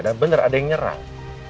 dan bener ada yang nyerang